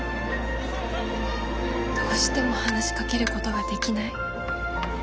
どうしても話しかけることができない。